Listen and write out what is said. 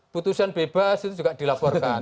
putusan bebas itu juga dilaporkan